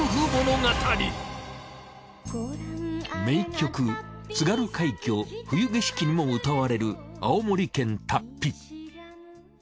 名曲『津軽海峡冬景色』にも歌われる青森県龍飛。